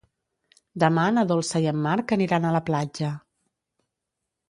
Demà na Dolça i en Marc aniran a la platja.